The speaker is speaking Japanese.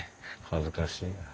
恥ずかしいや。